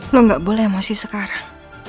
lo gak boleh masih sekarang